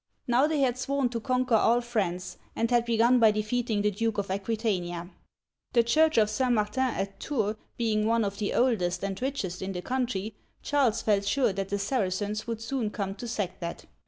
Now they had sworn to conquer all France, and had begun by defeating the Duke of Aquitania. The Church of St. Martin at Tours (toor) being one of the oldest and richest in the country, Charles felt sure that the Saracens would soon come to sack that.